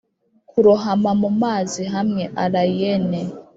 kurohama mumazi hamweallayne.